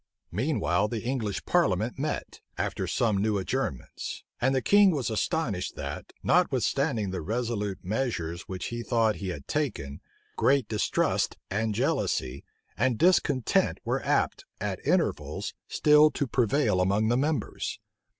Meanwhile the English parliament met, after some new adjournments: and the king was astonished that, notwithstanding the resolute measures which he thought he had taken, great distrust, and jealousy, and discontent were apt, at intervals, still to prevail among the members.